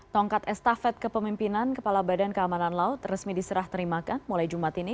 tongkat estafet kepemimpinan kepala badan keamanan laut resmi diserah terimakan mulai jumat ini